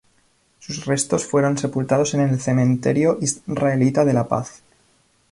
Sus restos fueron sepultados en el Cementerio Israelita de La Paz.